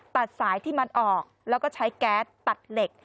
ตัดสายที่มันออกแล้วก็ใช้แก๊สตัดเหล็ก